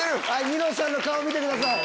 ニノさんの顔見てください。